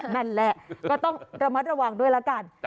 นั่นแหละก็ต้องระมัดระวังด้วยละกัน